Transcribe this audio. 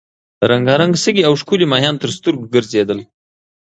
رنګارنګ شګې او ښکلي ماهیان تر سترګو ګرځېدل.